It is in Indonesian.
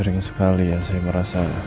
sering sekali ya saya merasa